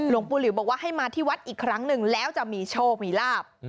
หลวงปู่หลิวบอกว่าให้มาที่วัดอีกครั้งหนึ่งแล้วจะมีโชคมีลาบ